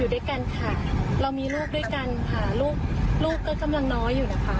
ด้วยกันค่ะเรามีลูกด้วยกันค่ะลูกลูกก็กำลังน้อยอยู่นะคะ